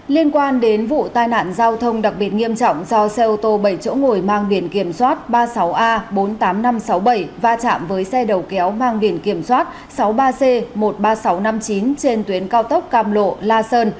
liên quan đến vụ tai nạn giao thông đặc biệt nghiêm trọng do xe ô tô bảy chỗ ngồi mang biển kiểm soát ba mươi sáu a bốn mươi tám nghìn năm trăm sáu mươi bảy va chạm với xe đầu kéo mang biển kiểm soát sáu mươi ba c một mươi ba nghìn sáu trăm năm mươi chín trên tuyến cao tốc cam lộ la sơn